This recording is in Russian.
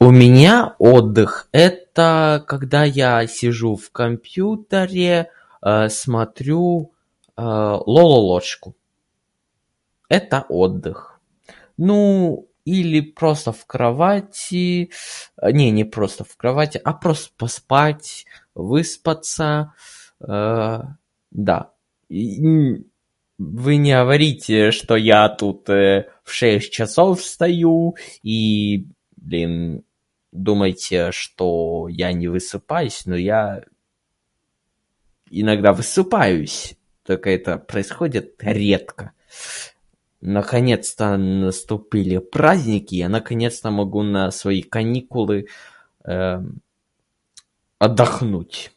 У меня отдых - это когда я сижу в компьютере, смотрю, [disfluency|а-а], Лололошку - это отдых. Ну ... или просто в кровати, э, не, непросто в кровати, а просто поспать, выспаться. [disfluency|Э-э] Да. И. Вы не говорите, что я тут, [disfluency|э] в шесть часов встаю, и, блин, думайте что я не высыпаюсь. Но я ... иногда высыпаюсь. Только это происходит редко. Наконец-то наступили праздники и я наконец-то могу на свои каникулы [disfluency|э-э] отдохнуть.